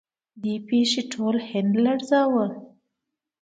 دې پیښې ټول هند لړزاوه.